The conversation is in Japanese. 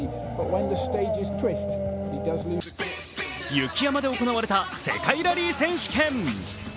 雪山で行われた世界ラリー選手権。